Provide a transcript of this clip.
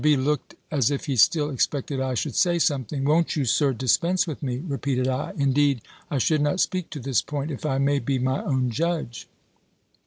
B. looked as if he still expected I should say something. "Won't you, Sir, dispense with me?" repeated I. "Indeed I should not speak to this point, if I may be my own judge."